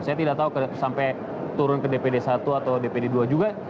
saya tidak tahu sampai turun ke dpd satu atau dpd dua juga